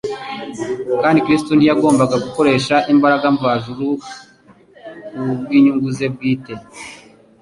Kandi Kristo ntiyagombaga gukoresha imbaraga mvajuru kubw'inyungu ze bwite.